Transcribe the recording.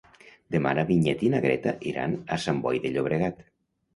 Demà na Vinyet i na Greta iran a Sant Boi de Llobregat.